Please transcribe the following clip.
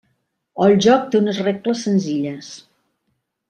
El joc té unes regles senzilles.